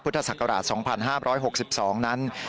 พุทธศักราช๒๕๖๒นั้น